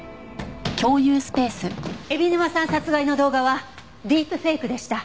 海老沼さん殺害の動画はディープフェイクでした。